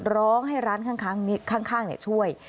ร้องให้ร้านข้างช่วย